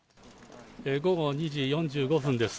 午後２時４５分です。